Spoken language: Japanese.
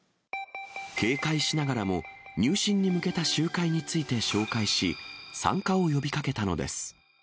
警戒しながらも、入信に向けた集会について紹介し、参加を呼びかけたのです。